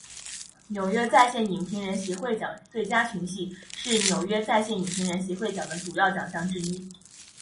纽约在线影评人协会奖最佳群戏是纽约在线影评人协会奖的主要奖项之一。